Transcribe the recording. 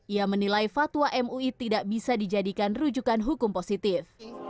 ia menilai fatwa mui tidak bisa dijadikan rujukan hukum positif